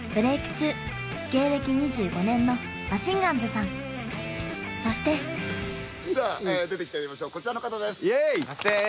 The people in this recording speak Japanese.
中芸歴２５年のマシンガンズさんそしてさあ出てきていただきましょうこちらの方ですすみません